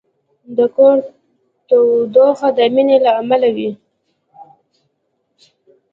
د کور تودوخه د مینې له امله وي.